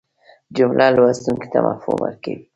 جمله لوستونکي ته مفهوم ورکوي.